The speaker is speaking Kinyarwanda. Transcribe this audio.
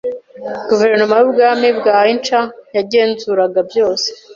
Guverinoma y'Ubwami bwa Inca yagenzuraga byose.